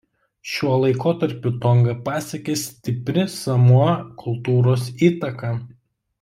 Šiuo laikotarpiu Tongą pasiekė stipri Samoa kultūros įtaka.